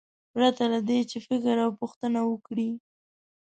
پرته له دې چې فکر او پوښتنه وکړي.